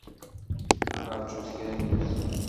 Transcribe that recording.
Ad naṛǧut kra n wussan.